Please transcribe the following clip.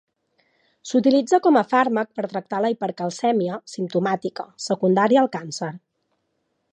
S'utilitza com a fàrmac per tractar la hipercalcèmia simptomàtica secundària al càncer.